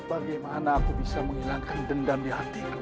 bagaimana aku bisa menghilangkan dendam di hatiku